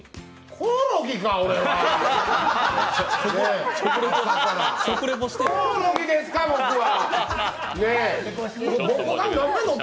コオロギですか、僕は！